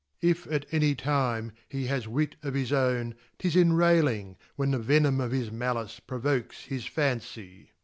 .; Ifbt any time he has Wit of his own, 'tis inRayUng , when the venme of his malice provoke this fancy.